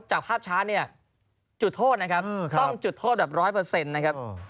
จากภาพช้าเนี่ยจุดโทษนะครับต้องจุดโทษแบบร้อยเปอร์เซ็นต์นะครับ